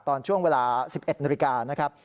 ตอนช่วงเวลา๑๑นาฬิกานะครับ